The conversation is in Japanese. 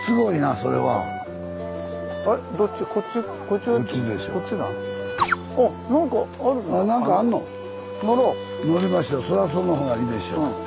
それはそのほうがいいでしょう。